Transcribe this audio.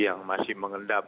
yang masih mengendap